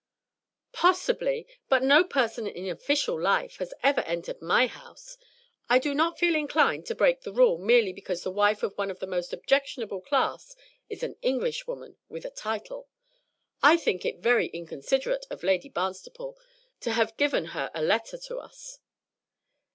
"Possibly. But no person in official life has ever entered my house. I do not feel inclined to break the rule merely because the wife of one of the most objectionable class is an Englishwoman with a title. I think it very inconsiderate of Lady Barnstaple to have given her a letter to us."